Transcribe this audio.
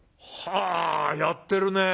あやってるね。